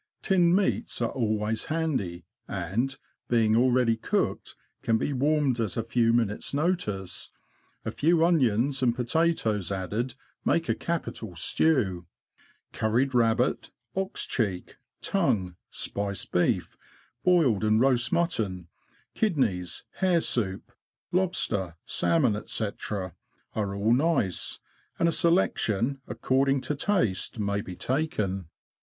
Tinned meats are always handy, and, being already cooked, can be warmed at a few minutes' notice ; a few onions and potatoes added make a capital stew. Curried rabbit, ox cheek. PREPARATIONS FOR THE TRIP. 19 tongue, spiced beef, boiled and roast mutton, kidneys, hare soup, lobster, salmon, &c., are all nice, and a selection, according to taste, may be taken.